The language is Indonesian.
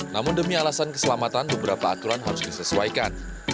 namun demi alasan keselamatan beberapa aturan harus disesuaikan